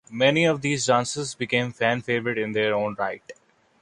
Many of these dancers became fan favorites in their own right.